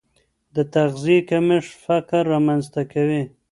د تغذیې کمښت فقر رامنځته کوي.